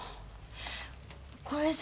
これさ